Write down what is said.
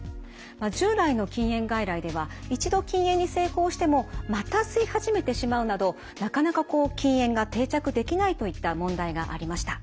従来の禁煙外来では一度禁煙に成功してもまた吸い始めてしまうなどなかなか禁煙が定着できないといった問題がありました。